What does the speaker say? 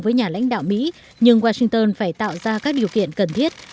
với nhà lãnh đạo mỹ nhưng washington phải tạo ra các điều kiện cần thiết